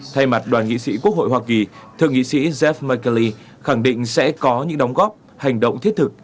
thay mặt đoàn nghị sĩ quốc hội hoa kỳ thượng nghị sĩ jef mikali khẳng định sẽ có những đóng góp hành động thiết thực